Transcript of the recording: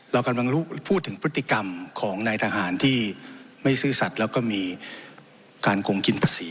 เรากำลังพูดถึงพฤติกรรมของนายทหารที่ไม่ซื่อสัตว์แล้วก็มีการคงกินภาษี